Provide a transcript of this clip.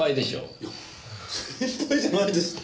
いや先輩じゃないですって。